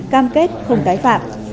cam kết không tái phạm